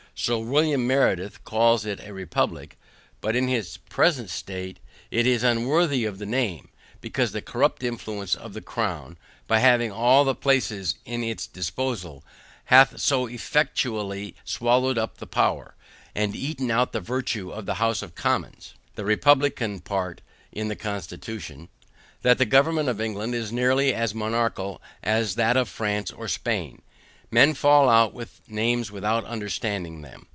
Sir William Meredith calls it a republic; but in its present state it is unworthy of the name, because the corrupt influence of the crown, by having all the places in its disposal, hath so effectually swallowed up the power, and eaten out the virtue of the house of commons (the republican part in the constitution) that the government of England is nearly as monarchical as that of France or Spain. Men fall out with names without understanding them.